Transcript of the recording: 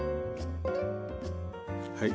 はい。